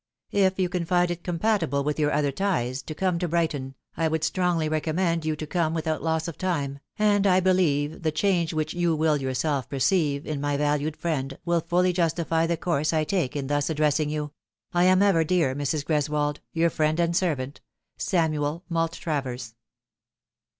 If you can find it compatible with your other ties to come to Brighton, I would strongly recommend you to come without loss of time, and I believe that the change which you will yourself perceive in my valued friend will fully justify the course I take in thus addressing you. I am ever, dear Mrs. Greswold, your friend and servant, " SAMUEL MALTRAVERS."